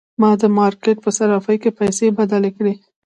ما د مارکیټ په صرافۍ کې پیسې بدلې کړې.